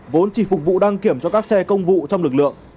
vốn chỉ phục vụ đăng kiểm cho các xe công vụ trong lực lượng